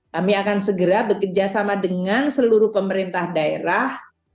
kami akan segera bekerja sama dengan seluruh pemerintah daerah